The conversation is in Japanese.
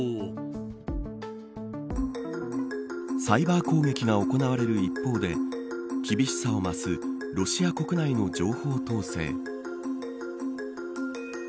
サイバー攻撃が行われる一方で厳しさを増すロシア国内の情報統制。